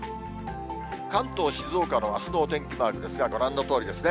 関東、静岡のあすのお天気マークですが、ご覧のとおりですね。